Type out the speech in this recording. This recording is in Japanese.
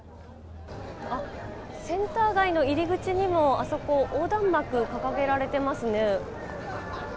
センター街の入り口にも横断幕掲げられていますね。